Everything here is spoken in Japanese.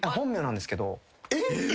えっ！？